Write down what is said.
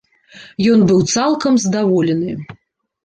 Ён быў цалкам здаволены.